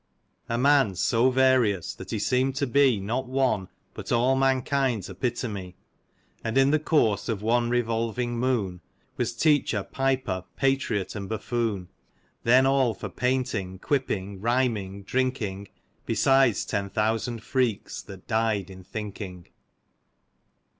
"A man so various that he seem'd to be Not one, but all mankind's epitome ; And in the course of one revolving moon Was teacher, piper, patriot and buffoon ; Then all for painting, quipping, rhyming, drinking, Besides ten thousand freaks that died in thinking."